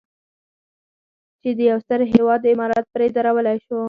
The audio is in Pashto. چې د یو ستر هېواد عمارت پرې درولی شو.